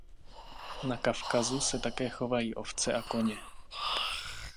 Na Kavkazu se také chovají ovce a koně.